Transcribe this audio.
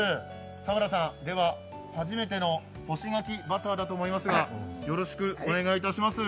佐村さん、初めての干し柿バターだと思いますがよろしくお願いいたします。